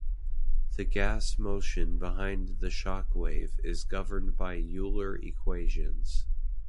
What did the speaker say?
The gas motion behind the shock wave is governed by Euler equations.